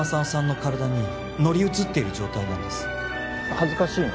恥ずかしいの？